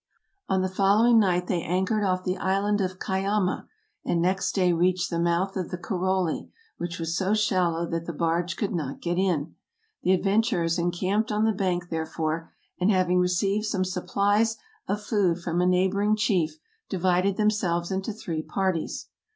On the following night they anchored off the island of Caiama, and next day reached the mouth of the Caroli, which was so shallow that the barge could not get in. The adventurers encamped on the bank, therefore, and having received some supplies of food from a neighboring chief, di vided themselves into three parties.